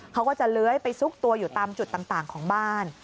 เขาก็จะเลื้อยไปซุกตัวอยู่ตามจุดต่างของบ้าน